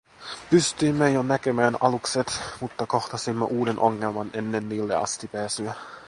Pystyimme jo näkemään alukset, mutta kohtasimme uuden ongelman ennen niille asti pääsyä.